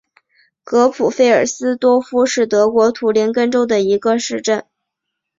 格普费尔斯多夫是德国图林根州的一个市镇。